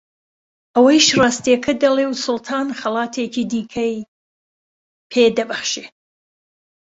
ئەویش ڕاستییەکە دەڵێ و سوڵتان خەڵاتێکی دیکەی پێ دەبەخشێ